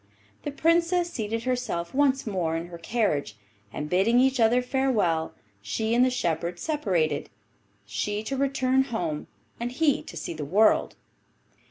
The Princess seated herself once more in her carriage, and, bidding each other farewell, she and the shepherd separated, she to return home, and he to see the world.